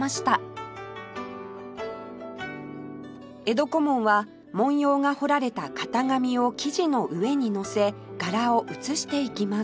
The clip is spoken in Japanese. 江戸小紋は文様が彫られた型紙を生地の上にのせ柄を写していきます